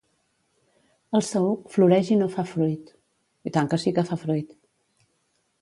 El saüc floreix i no fa fruit.